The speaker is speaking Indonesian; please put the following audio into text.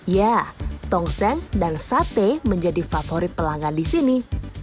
ya tongseng dan sate menjadi favorit pelanggan di sini